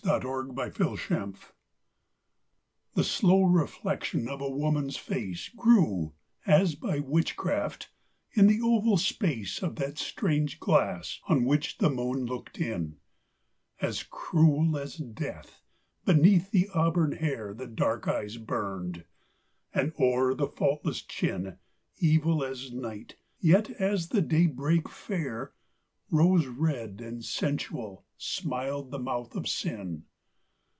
THE IMAGE IN THE GLASS I The slow reflection of a woman's face Grew, as by witchcraft, in the oval space Of that strange glass on which the moon looked in: As cruel as death beneath the auburn hair The dark eyes burned; and, o'er the faultless chin, Evil as night, yet as the daybreak fair, Rose red and sensual smiled the mouth of sin.